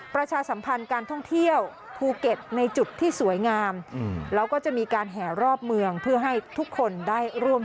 ประชาสัมพันธ์การท่องเที่ยวภูเก็ตในจุดที่สวยงามอืม